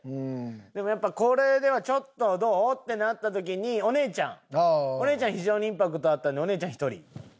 でもやっぱこれではちょっとどう？ってなった時にお姉ちゃんお姉ちゃん非常にインパクトあったのでお姉ちゃん１人。